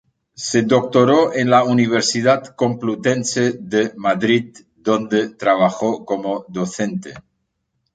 Se doctoró en la Universidad Complutense de Madrid, donde trabajó como docente.